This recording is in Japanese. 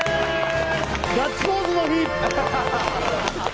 ガッツポーズの日！